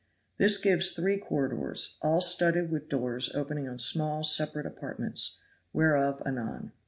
This gives three corridors, all studded with doors opening on small separate apartments, whereof anon.